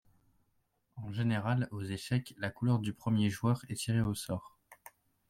En général, aux échecs, la couleur du premier joueur est tirée au sort.